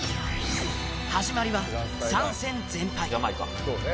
始まりは３戦全敗。